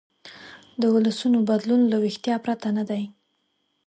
د ولسونو بدلون له ویښتیا پرته نه دی.